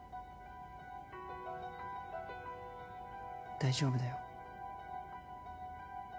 大丈夫だよ。